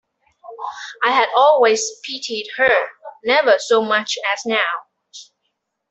I had always pitied her, never so much as now.